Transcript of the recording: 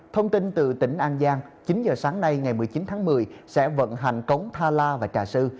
thông tin từ tỉnh an giang chín h sáng nay ngày một mươi chín tháng một mươi sẽ vận hành cống tha la và trà sư